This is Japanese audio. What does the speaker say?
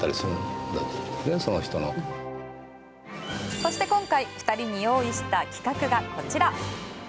そして今回２人に用意した企画がこちら。